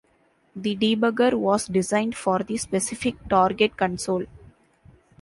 The debugger was designed for the specific target console.